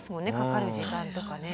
かかる時間とかね。